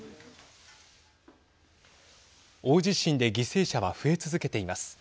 大地震で犠牲者は増え続けています。